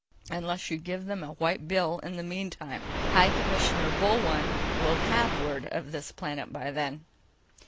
Unless you give them a white bill in the meantime. High Commissioner Bullone will have word of this planet by then.